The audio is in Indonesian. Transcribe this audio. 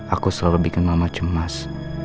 aku serah lebih ke mama cemas